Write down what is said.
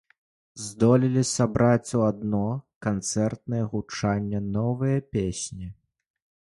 Здолелі сабраць у адно канцэртнае гучанне новыя песні.